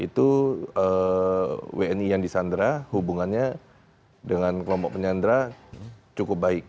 itu wni yang disandera hubungannya dengan kelompok penyandra cukup baik